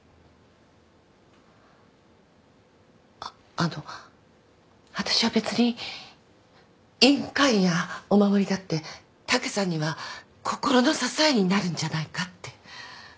あっあのわたしは別に印鑑やお守りだって武さんには心の支えになるんじゃないかって。